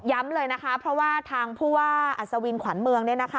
เลยนะคะเพราะว่าทางผู้ว่าอัศวินขวัญเมือง